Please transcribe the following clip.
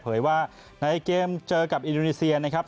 เผยว่าในเกมเจอกับอินโดนีเซียนะครับ